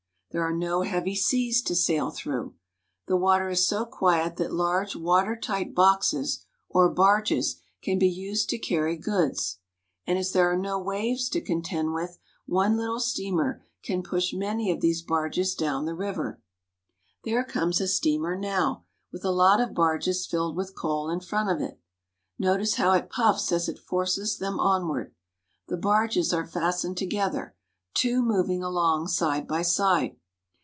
There are no heavy seas to sail through. The water is so quiet that large water tight boxes or barges can be used to carry goods ; and as there are no waves to contend with, one Httle steamer can push many of these barges down the river. There comes a steamer now, with a lot of barges filled with coal in front of it. Notice how it puffs as it forces them onward. The barges are fastened together, two moving along side by side.